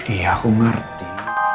iya aku ngerti